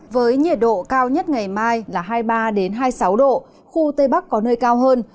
với nhiệt độ cao nhất ngày mai là hai mươi ba hai mươi sáu độ khu tây bắc có nơi cao hơn